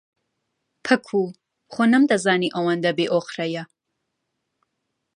پەکوو، خۆ نەمدەزانی ئەوەندە بێئۆقرەیە.